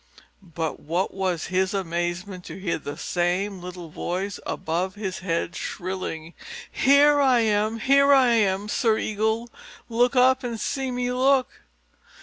But what was his amazement to hear the same little voice above his head shrilling, "Here I am, here I am, Sir Eagle. Look up and see me, look!"